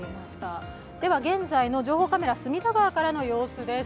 現在の情報カメラ、隅田川からの様子です。